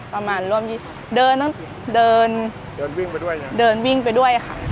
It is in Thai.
ประมาณล่วมเดินวิ่งไปด้วยอ่ะ